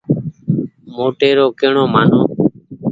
موٽي رو ڪي ڻو مآنو۔